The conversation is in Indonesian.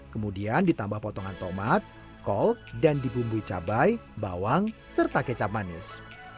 kemudian ditambah potongan tomat kol dan dibumbui cabai bawang serta kecap manis